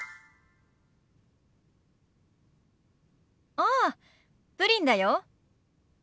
ああプリンだよ。